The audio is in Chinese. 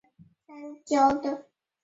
盘花均为黄色。